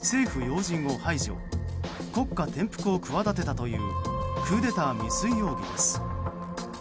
国会議事堂を襲撃し政府要人を排除国家転覆を企てたというクーデター未遂容疑です。